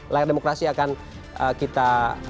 layar demokrasi akan kita